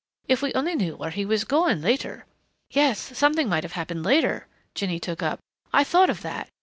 If we only knew where he was going later " "Yes, something might have happened later," Jinny took up. "I thought of that.